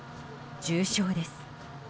重傷です。